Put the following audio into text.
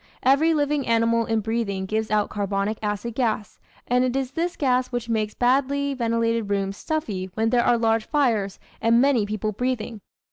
Every living animal in breathing gives out carbonic acid gas, and it is this gas which makes badly ventilated rooms stuffy when there are large fires and many people breathing.